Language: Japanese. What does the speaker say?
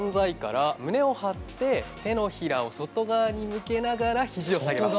胸を張って、手のひらを外側に向けながらひじを下げます。